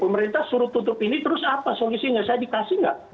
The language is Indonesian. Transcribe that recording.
pemerintah suruh tutup ini terus apa solusinya saya dikasih nggak